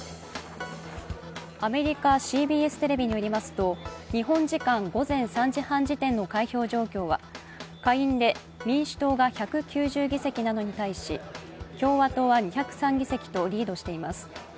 アメリカＣＢＳテレビによりますと日本時間午前３時半時点の開票状況は下院で民主党が１９０議席なのに対し共和党は２０３議席とリードしています。